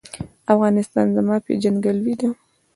افغانستان زما پیژندګلوي ده؟